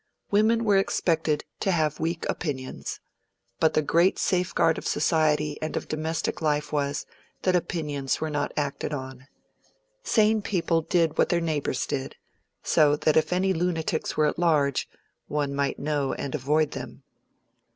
Women were expected to have weak opinions; but the great safeguard of society and of domestic life was, that opinions were not acted on. Sane people did what their neighbors did, so that if any lunatics were at large, one might know and avoid them.